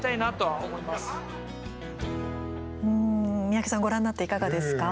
宮家さんご覧になっていかがですか？